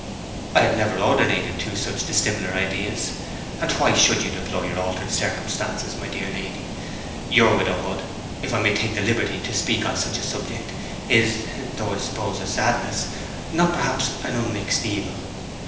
'I have never ordinated two such dissimilar ideas. And why should you deplore your altered circumstances, my dear lady? Your widowhood, if I may take the liberty to speak on such a subject, is, though I suppose a sadness, not perhaps an unmixed evil.